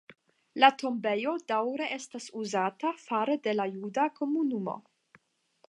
La tombejo daŭre estas uzata fare de la juda komunumo.